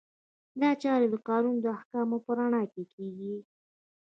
دا چارې د قانون د احکامو په رڼا کې کیږي.